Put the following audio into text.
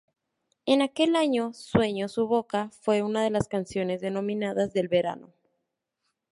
En aquel año, "Sueño su boca" fue una de las canciones denominadas "del verano".